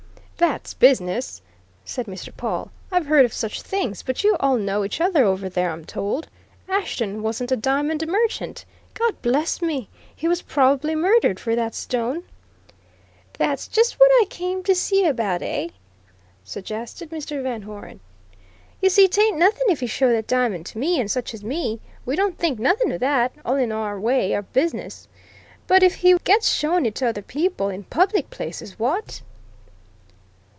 "That's business," said Mr. Pawle. "I've heard of such things but you all know each other over there, I'm told. Ashton wasn't a diamond merchant. God bless me he was probably murdered for that stone!" "That's just what I come to you about, eh?" suggested Mr. Van Hoeren. "You see 'tain't nothing if he show that diamond to me, and such as me; we don't think nothing of that all in our way of business. But if he gets showing it to other people, in public places what?"